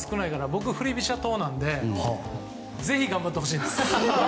僕、振り飛車党なのでぜひ頑張ってほしいです。